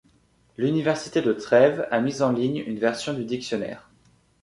L'Université de Trèves a mis en ligne une version du dictionnaire.